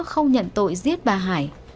không nhận tội giết bà hải